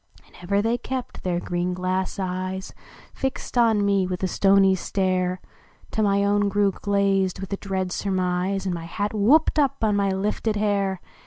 And ever they kept their green glass eyes Fixed on me with a stony stare Till my own grew glazed with a dread surmise, And my hat whooped up on my lifted hair.